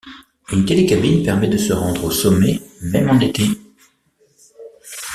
Un télécabine permet de se rendre au sommet même en été.